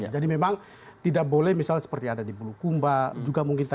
jadi memang tidak boleh misalnya seperti ada di bulukumba